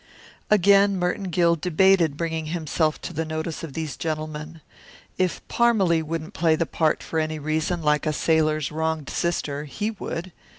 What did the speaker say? Again Merton Gill debated bringing himself to the notice of these gentlemen. If Parmalee wouldn't play the part for any reason like a sailor's wronged sister, he would.